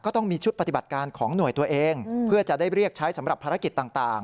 ต้องมีชุดปฏิบัติการของหน่วยตัวเองเพื่อจะได้เรียกใช้สำหรับภารกิจต่าง